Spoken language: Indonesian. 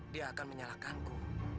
dia akan menyalakanku